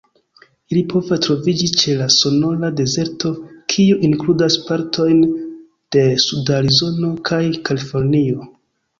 Ili povas troviĝi ĉe la Sonora-Dezerto, kiu inkludas partojn de suda Arizono kaj Kalifornio.